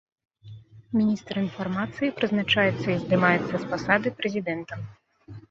Міністр інфармацыі прызначаецца і здымаецца з пасады прэзідэнтам.